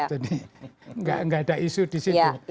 jadi tidak ada isu di situ